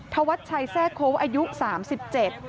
ทวัดชาสแซ่โค้งอายุสามสิบเจ็ด